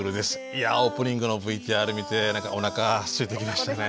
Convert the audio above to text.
いやオープニングのＶＴＲ見ておなかすいてきましたね。